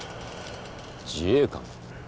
自衛官？